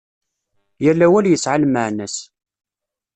Yal awal yesεa lmeεna-s.